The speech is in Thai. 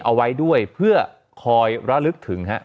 เอาไว้ด้วยเพื่อคอยระลึกถึงฮะ